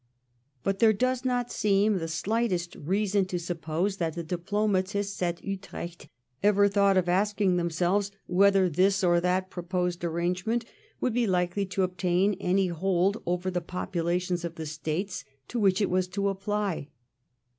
But there does not seem the slightest reason to suppose that the diplomatists at Utrecht ever thought of asking themselves whether this or that proposed arrangement would be likely to obtain any hold over the populations of the States to which it was to apply.